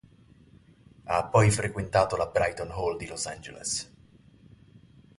Ha poi frequentato la Brighton Hall di Los Angeles.